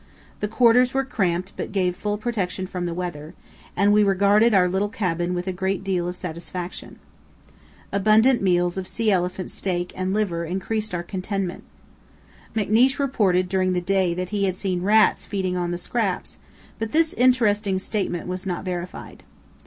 The quarters were cramped but gave full protection from the weather, and we regarded our little cabin with a great deal of satisfaction. Abundant meals of sea elephant steak and liver increased our contentment. McNeish reported during the day that he had seen rats feeding on the scraps, but this interesting statement was not verified.